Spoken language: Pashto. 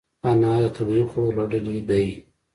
انار د طبیعي خوړو له ډلې دی.